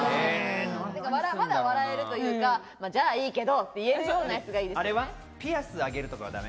まだ笑えるというか、じゃあいいけどって言えそうなやつがいいですよね。